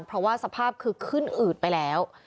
เพราะว่าสภาพคือขึ้นอืดไปแล้ว